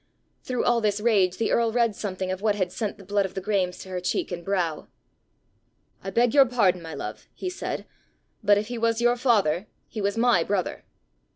Through all this rage the earl read something of what had sent the blood of the Graemes to her cheek and brow. "I beg your pardon, my love," he said, "but if he was your father, he was my brother!"